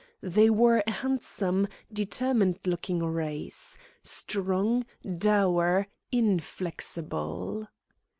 They were a handsome, determined looking race, strong, dour, inflexible.